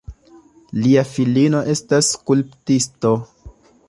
Lia filino estas skulptisto.